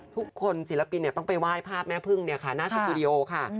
ทุกคนศิลปินเนี่ยต้องไปไห้ภาพแม่พึ่งเนี่ยค่ะหน้าสรุดิโอค่ะ